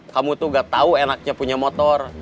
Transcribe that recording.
kamu tuh gak tahu enaknya punya motor